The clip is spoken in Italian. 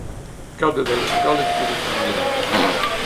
Cadde dalle scale e si ruppe un braccio.